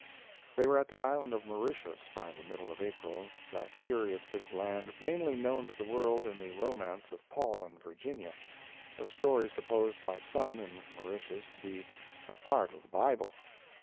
They were at the island of Mauritius by the middle of April, that curious bit of land mainly known to the world in the romance of Paul and Virginia, a story supposed by some in Mauritius to be "a part of the Bible."